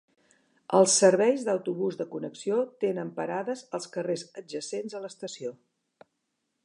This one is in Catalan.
Els serveis d'autobús de connexió tenen parades als carrers adjacents a l'estació.